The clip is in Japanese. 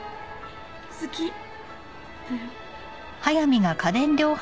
好きだよ。